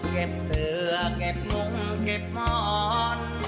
เก็บเสื้อเก็บมุงเก็บมอน